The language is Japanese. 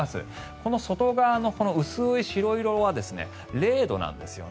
この外側の薄い白色は０度なんですよね。